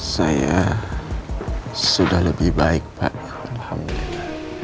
saya sudah lebih baik pak alhamdulillah